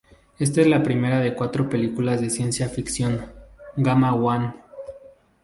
Ésta es la primera de cuatro películas de ciencia ficción "Gamma One".